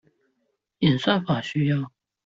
演算法需要